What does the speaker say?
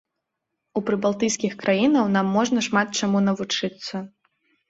У прыбалтыйскіх краінаў нам можна шмат чаму навучыцца.